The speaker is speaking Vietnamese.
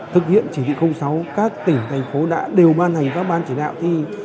thực hiện chỉ thị sáu các tỉnh thành phố đã đều ban hành các ban chỉ đạo thi